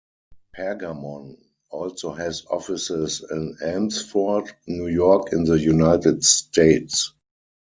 Pergamon also has offices in Elmsford, New York in the United States.